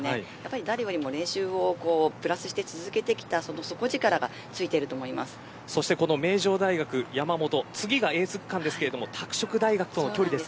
誰よりも練習をプラスして続けてきた底力が名城大学山本、次がエース区間ですが拓殖大学との距離です。